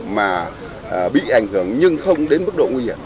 mà bị ảnh hưởng nhưng không đến mức độ nguy hiểm